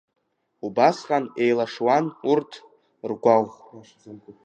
Убасҟак еилашуан урҭ ргәаӷ.